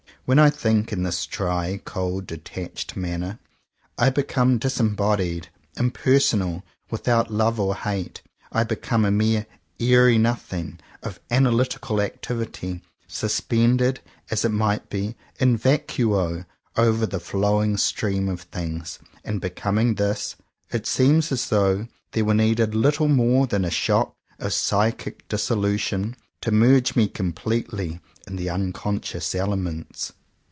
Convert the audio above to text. When I think in this dry, cold, detached manner, I be come disembodied, impersonal, without love or hate, I become a mere "airy nothing" of analytical activity, suspended, as it might be, in vacuo, over the flowing stream of things; and, becoming this, it seems as though there were needed little more than a shock of psychic dissolution, to merge me completely in the unconscious elements.